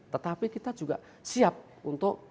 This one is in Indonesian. tetapi kita juga siap untuk